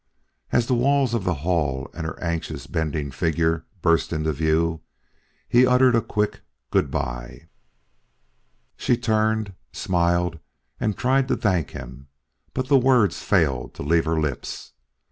As the walls of the hall and her anxiously bending figure burst into view, he uttered a quick "Good by!" She turned, smiled and tried to thank him, but the words failed to leave her lips.